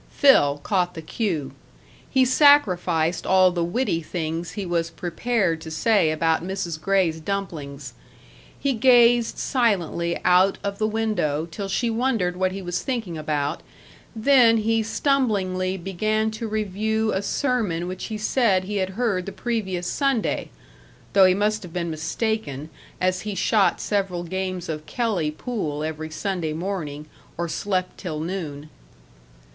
Phil caught the cue. He sacrificed all the witty things he was prepared to say about Mrs. Gray's dumplings; he gazed silently out of the window till she wondered what he was thinking about, then he stumblingly began to review a sermon which he said he had heard the previous Sunday though he must have been mistaken, as he shot several games of Kelly pool every Sunday morning, or slept till noon.